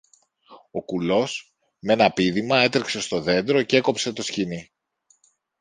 Ο κουλός μ' ένα πήδημα έτρεξε στο δέντρο κι έκοψε το σκοινί.